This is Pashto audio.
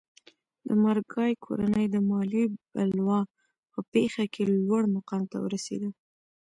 د مارګای کورنۍ د مالیې بلوا په پېښه کې لوړ مقام ته ورسېده.